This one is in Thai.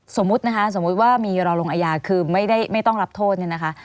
สมมุติว่ามีรอลงอาญาคือไม่ต้องรับโทษ